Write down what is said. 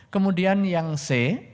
kemudian yang c